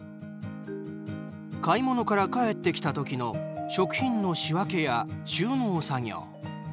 買い物から帰ってきた時の食品の仕分けや収納作業